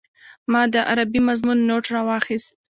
ما د عربي مضمون نوټ راواخيست.